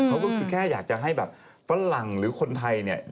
เขาก็คือแค่อยากจะให้แบบฝรั่งหรือคนไทยเนี่ย